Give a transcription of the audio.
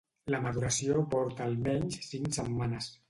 La maduració porta almenys cinc setmanes.